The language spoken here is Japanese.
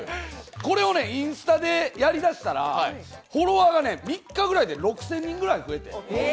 これをインスタでやり出したら、フォロワーが３日ぐらいで６０００人ぐらい増えて。